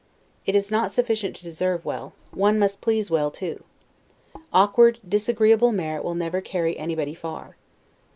It is not sufficient to deserve well; one must please well too. Awkward, disagreeable merit will never carry anybody far.